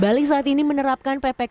bali saat ini menerapkan ppkm level tiga